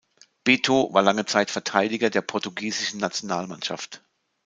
Beto war lange Zeit Verteidiger der portugiesischen Nationalmannschaft.